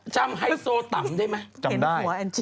จำไฮโซตัมใช่ไหมจำได้